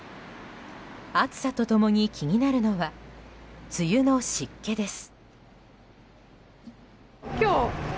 暑さと共に気になるのは梅雨の湿気です。